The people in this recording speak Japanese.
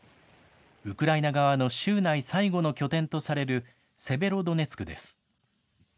ウクライナ側の州内最後の拠点とされるセベロドネツクです。